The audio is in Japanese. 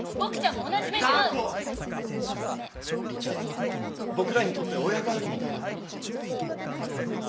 リチャードは僕らにとっては親代わりみたいなものだろ。